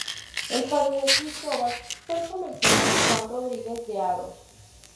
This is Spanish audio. El padre de Cristóbal fue el comerciante Juan Rodríguez de Haro.